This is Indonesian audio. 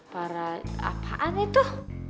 paraji apaan tuh